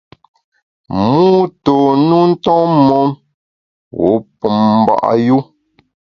Mû tôn u nton mon, wu pum mba’ yu.